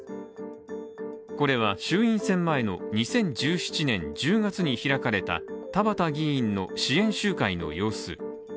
これは衆院選前の２０１７年１０月に開かれた田畑議員の支援集会の様子。